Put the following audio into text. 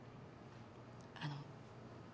あの。